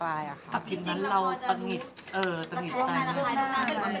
ซักชิดนั้นเราตะงิดตาย